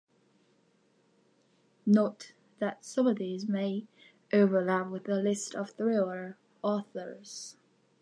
Note that some of these may overlap with the List of thriller authors.